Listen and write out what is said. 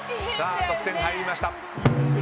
得点、入りました。